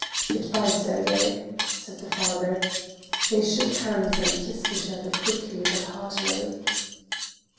"Good by, Sergey!" said the father. They shook hands, and kissed each other quickly but heartily.